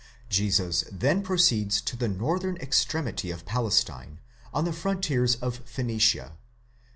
Jesus then proceeds to the northern extremity of Palestine, on the frontiers of Phoenicia (xv.